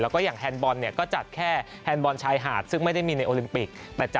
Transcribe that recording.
แล้วก็อย่างแฮนดบอลเนี่ยก็จัดแค่แฮนด์บอลชายหาดซึ่งไม่ได้มีในโอลิมปิก